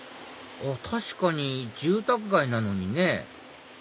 確かに住宅街なのにね